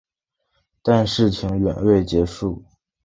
但事情远未结束。